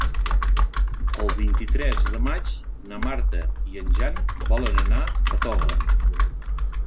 El vint-i-tres de maig na Marta i en Jan voldrien anar a Toga.